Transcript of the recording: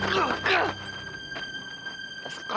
kas keras kepala